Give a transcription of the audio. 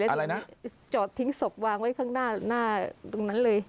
อะไรนะจอดทิ้งศพวางไว้ข้างหน้าหน้าตรงนั้นเลย